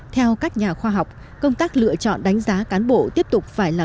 theo các nhà khoa học công tác lựa chọn đánh giá cán bộ tiếp tục phải là